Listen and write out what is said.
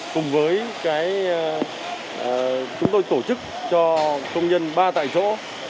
cùng với chúng tôi tổ chức cho công nhân ba tại chỗ